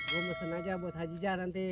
gue mesen aja buat haji jakaan nanti